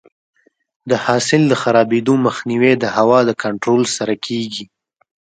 د حاصل د خرابېدو مخنیوی د هوا د کنټرول سره کیږي.